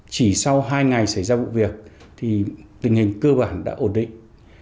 chỉ sau hai ngày xảy ra vụ việc thì tình hình cơ bản đã ổn định